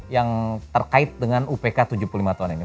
yang terkait dengan upk tujuh puluh lima tahun ini